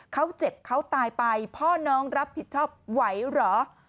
เขาเจ็บเขาตายไปพ่อน้องรับผิดชอบไหวเหรอ